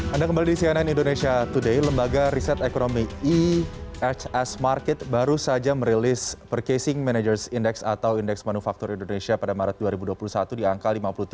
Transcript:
anda kembali di cnn indonesia today lembaga riset ekonomi ehs market baru saja merilis percasing managers index atau indeks manufaktur indonesia pada maret dua ribu dua puluh satu di angka lima puluh tiga